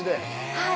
はい。